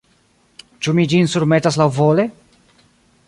Ĉu mi ĝin surmetas laŭvole?